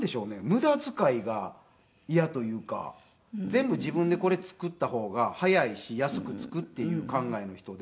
無駄遣いが嫌というか全部自分でこれ作った方が早いし安くつくっていう考えの人で。